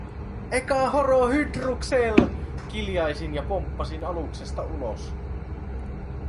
"Eka horo Hydruksel!", kiljaisin ja pomppasin aluksesta ulos.